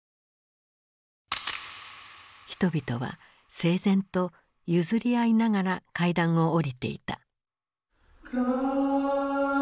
人々は整然と譲り合いながら階段を下りていた。